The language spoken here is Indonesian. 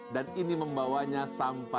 dan ini membawanya sampah